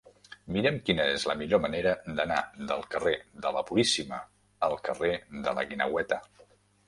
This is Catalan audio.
Mira'm quina és la millor manera d'anar del carrer de la Puríssima al carrer de la Guineueta.